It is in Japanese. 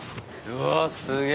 うわっすげえ！